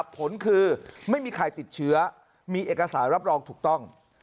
ผลคือไม่มีใครติดเชื้อมีเอกสารรับรองถูกต้อง